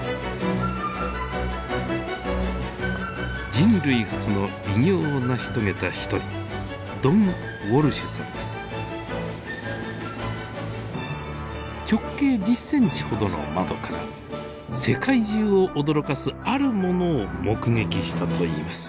人類初の偉業を成し遂げた一人直径１０ｃｍほどの窓から世界中を驚かすあるものを目撃したといいます。